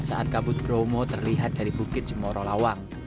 saat kabut bromo terlihat dari bukit jemoro lawang